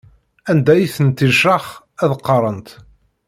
Anda i tent-iṛcex, ad qqaṛent.